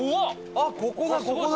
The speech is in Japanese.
あっここだここだ！